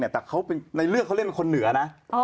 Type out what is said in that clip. แต่ในเรื่องเขาเป็นเค้าเล่นคนเหนือนะ